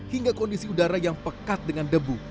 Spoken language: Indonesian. hingga kondisi udara yang pekat dengan debu